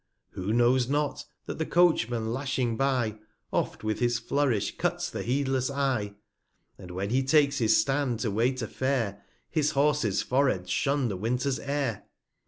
Who knows not, that the Coachman lashing by, Oft', with his Flourish, cuts the heedless Eye; 190 And when he takes his Stand, to wait a Fare, His Horses Foreheads shun the Winter's Air